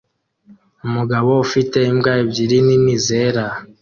Umugabo ufite imbwa ebyiri nini zera